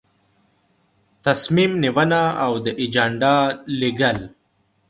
تصمیم نیونه او د اجنډا لیږل.